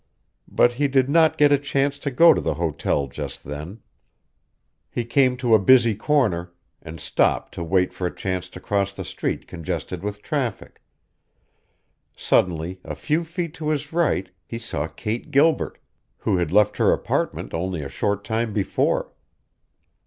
But he did not get a chance to go to the hotel just then. He came to a busy corner, and stopped to wait for a chance to cross the street congested with traffic. Suddenly, a few feet to his right, he saw Kate Gilbert, who had left her apartment only a short time before.